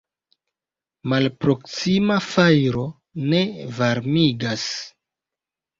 Malproksima fajro ne varmigas.